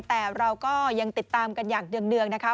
แต่เราก็ยังติดตามกันอย่างเนื่องนะคะ